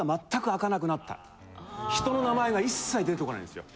人の名前が一切出てこないんですよ。